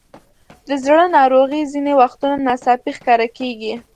د زړه ناروغۍ ځینې وختونه ناڅاپي ښکاره کېږي.